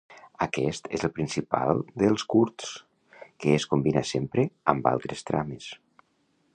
Aquest és el tema principal dels curts, que es combina sempre amb altres trames.